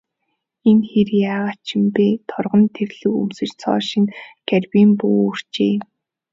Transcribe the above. Энэ хэр яагаад ч юм бэ, торгон тэрлэг өмсөж, цоо шинэ карбин буу үүрчээ.